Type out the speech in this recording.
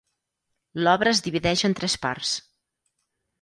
L'obra es divideix en tres parts.